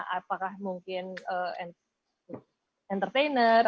apakah mungkin entertainment